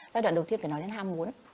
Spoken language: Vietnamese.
giai đoạn đầu tiên phải nói đến ham muốn